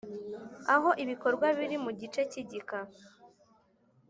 Aho ibikorwa biri mu gice cy igika